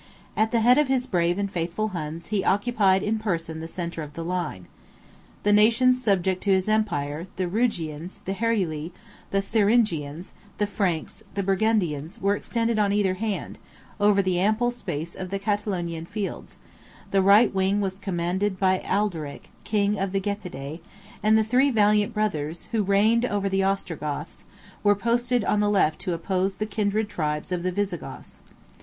At the head of his brave and faithful Huns, he occupied in person the centre of the line. The nations subject to his empire, the Rugians, the Heruli, the Thuringians, the Franks, the Burgundians, were extended on either hand, over the ample space of the Catalaunian fields; the right wing was commanded by Ardaric, king of the Gepidae; and the three valiant brothers, who reigned over the Ostrogoths, were posted on the left to oppose the kindred tribes of the Visigoths.